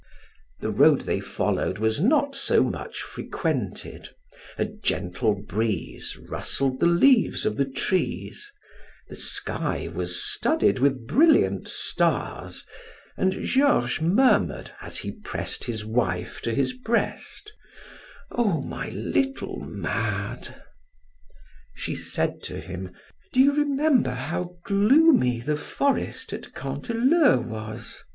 The road they followed was not so much frequented, a gentle breeze rustled the leaves of the trees, the sky was studded with brilliant stars and Georges murmured, as he pressed his wife to his breast: "Oh, my little Made." She said to him: "Do you remember how gloomy the forest at Canteleu was?